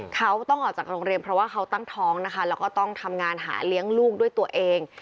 เขาต้องออกจากโรงเรียนเพราะว่าเขาตั้งท้องนะคะแล้วก็ต้องทำงานหาเลี้ยงลูกด้วยตัวเอง